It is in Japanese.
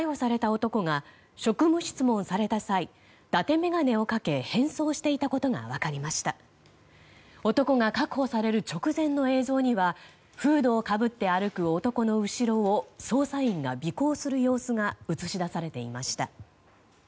男が確保される直前の映像にはフードをかぶって歩く男の後ろを捜査員が尾行する様子が映し出されていました。